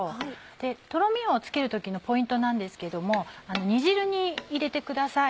でトロミをつける時のポイントなんですけども煮汁に入れてください。